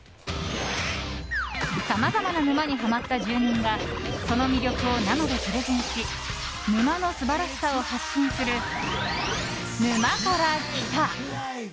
さまざまな沼にハマった住人がその魅力を生でプレゼンし沼の素晴らしさを発信する「沼から来た。」。